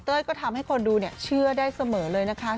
ก็ทำให้คนดูเชื่อได้เสมอเลยนะคะ